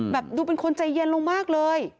ดูเป็นคนใจเย็นลงมากเลย